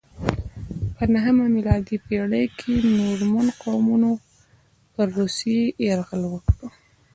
په نهمه میلادي پیړۍ کې نورمن قومونو پر روسیې یرغل وکړ.